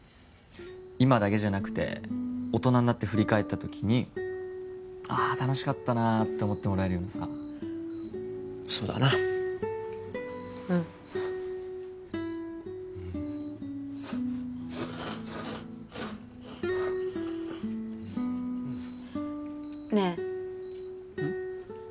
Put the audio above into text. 今だけじゃなくて大人になって振り返った時にああ楽しかったなあって思ってもらえるようなさそうだなうんねえうん？